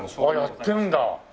ああやってるんだ。